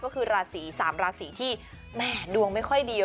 ก็คือราศี๓ราศีที่แม่ดวงไม่ค่อยดี